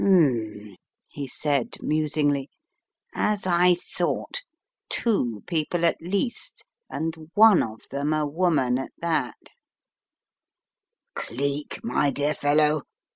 "Hmn," he said musingly, "as I thought, two people at least and one of them a woman at that " "Cleek, my dear fellow!"